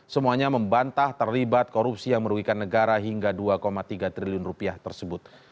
semuanya membantah terlibat korupsi yang merugikan negara hingga dua tiga triliun rupiah tersebut